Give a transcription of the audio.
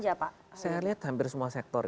jadi mereka punya tamaran suruhan dan kebenaran